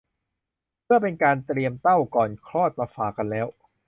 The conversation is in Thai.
เพื่อเป็นการเตรียมเต้าก่อนคลอดมาฝากกันแล้ว